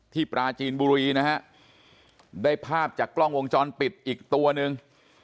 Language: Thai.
ปราจีนบุรีนะฮะได้ภาพจากกล้องวงจรปิดอีกตัวหนึ่ง